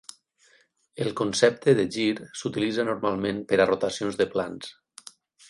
El concepte de gir s'utilitza normalment per a rotacions de plans.